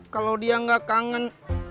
kalau dia gak kangen